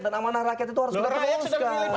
dan amanah rakyat itu harus kita rewong sekarang